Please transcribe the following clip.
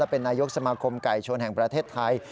เป็นนายกสมาคมไก่ชนแห่งประเทศไทย